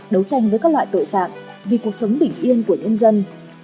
đấu tranh với các loại tội phạm vì cuộc sống bình yên của nhân dân